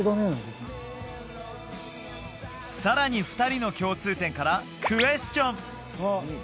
さらに２人の共通点からクエスチョン！